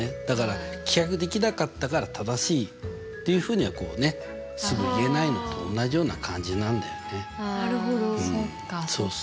だから棄却できなかったから正しいというふうにはこうねすぐ言えないのと同じような感じなんだよね。